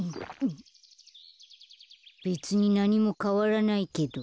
べつになにもかわらないけど。